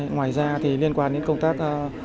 ngoài ra thì liên quan đến công tác